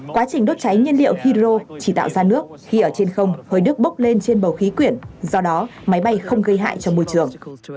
quá trình đốt cháy nhiên liệu hydro chỉ tạo ra nước khi ở trên không hơi nước bốc lên trên bầu khí quyển do đó máy bay không gây hại cho môi trường